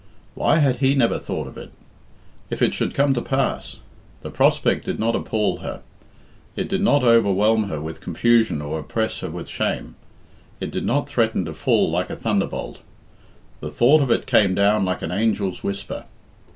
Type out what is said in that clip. Why had he never thought of it? If it should come to pass! The prospect did not appal her; it did not overwhelm her with confusion or oppress her with shame; it did not threaten to fall like a thunderbolt; the thought of it came down like an angel's whisper.